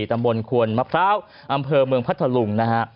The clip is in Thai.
ตำบลขวนมะพร้าวอำเภอเมืองพัทธลุงนะฮะ